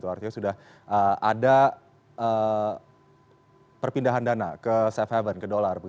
artinya sudah ada perpindahan dana ke safe haven ke dolar